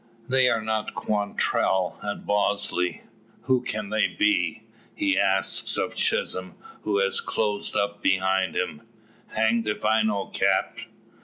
They are not Quantrell and Bosley! "Who can they be?" he asks of Chisholm, who has closed up behind him. "Hanged if I know, cap.